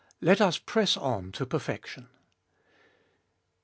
LET US PRESS ON TO PERFECTION. VI.